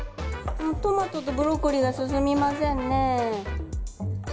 トマトとブロッコリーが進みませんね。